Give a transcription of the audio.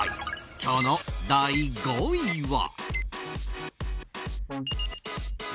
今日の第５位は。